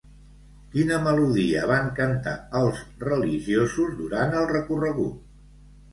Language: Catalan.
Quina melodia van cantar els religiosos durant el recorregut?